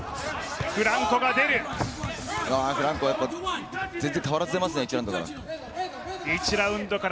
フランコは全然変わらず出ますね、１ラウンドから。